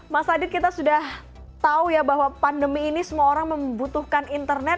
mas adit kita sudah tahu ya bahwa pandemi ini semua orang membutuhkan internet